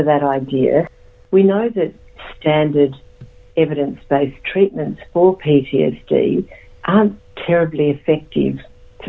kita tahu bahwa penyelamatan berbasis kebanyakan penyelamatan ptsd tidak sangat efektif untuk tidur